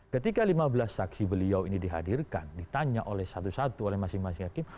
ketika lima belas saksi beliau ini dihadirkan ditanya oleh satu satu oleh masing masing hakim